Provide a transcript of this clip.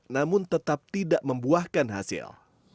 namun tetap tidak membuahkan hasil